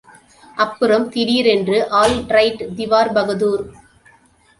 அப்புறம் திடீரென்று ஆல்ரைட் திவான்பகதூர்!